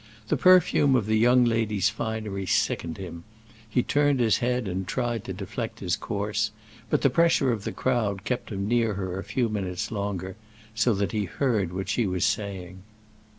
The perfume of the young lady's finery sickened him; he turned his head and tried to deflect his course; but the pressure of the crowd kept him near her a few minutes longer, so that he heard what she was saying.